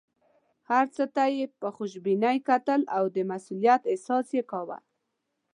هر څه ته یې په خوشبینۍ کتل او د مسوولیت احساس یې کاوه.